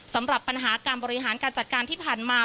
สำหรับปัญหาการบริหารการจัดการที่ผ่านมา